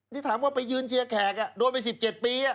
นี่ถามว่าไปยืนเชียร์แขกโดนไป๑๗ปี